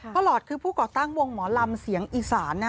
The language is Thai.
หลอดคือผู้ก่อตั้งวงหมอลำเสียงอีสานนะ